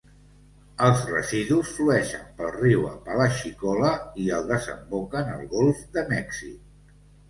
Els residus flueixen pel riu Apalachicola i desemboquen al Golf de Mèxic.